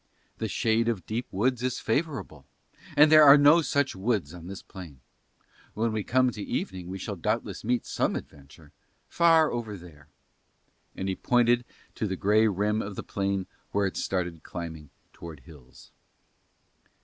The shade of deep woods is favourable, but there are no such woods on this plain. When we come to evening we shall doubtless meet some adventure, far over there." And he pointed to the grey rim of the plain where it started climbing towards hills.